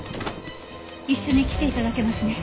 一緒に来て頂けますね？